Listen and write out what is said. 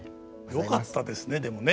よかったですねでもね。